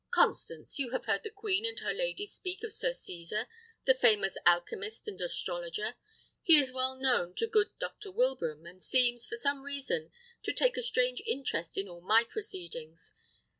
Constance, you have heard the queen and her ladies speak of Sir Cesar, the famous alchymist and astrologer. He is well known to good Dr. Wilbraham, and seems, for some reason, to take a strange interest in all my proceedings.